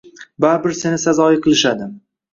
Baribir seni sazoyi qilishadi.